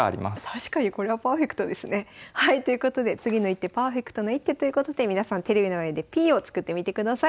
確かにこれはパーフェクトですね。ということで次の一手パーフェクトな一手ということで皆さんテレビの前でＰを作ってみてください。